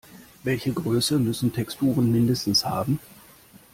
Welche Größe müssen Texturen mindestens haben?